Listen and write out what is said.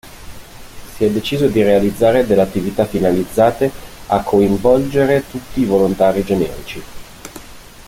Si è deciso di realizzare delle attività finalizzate a coinvolgere tutti i volontari generici.